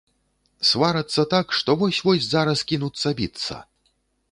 Сварацца так, што вось-вось зараз кінуцца біцца.